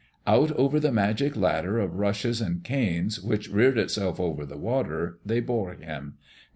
Out over the magic ladder of rushes and canes which reared itself over the water, they bore him.